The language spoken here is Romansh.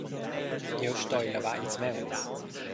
Jeu stoi lavar ils mauns.